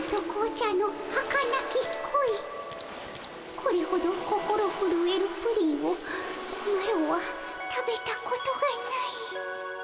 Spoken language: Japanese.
これほど心ふるえるプリンをマロは食べたことがない。